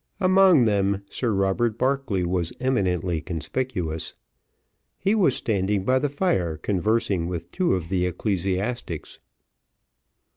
Among them Sir Robert Barclay was eminently conspicuous; he was standing by the fire conversing with two of the ecclesiastics.